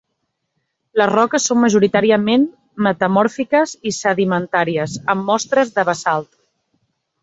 Les roques són majoritàriament metamòrfiques i sedimentàries, amb mostres de basalt.